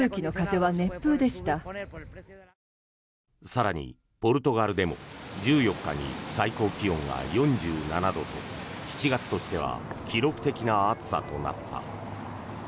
更に、ポルトガルでも１４日に最高気温が４７度と７月としては記録的な暑さとなった。